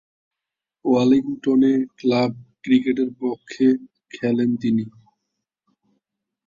ওয়েলিংটনে club ক্রিকেটের পক্ষে খেলেন তিনি।